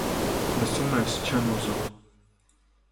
Լսո՞ւմ ես, չեմ ուզում: